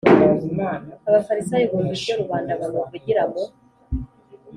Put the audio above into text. Abafarisayo bumva ibyo rubanda bamuvugira mu